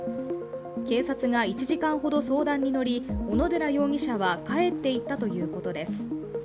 警察が１時間ほど相談に乗り小野寺容疑者は帰っていったということです。